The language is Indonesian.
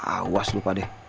awas lupa deh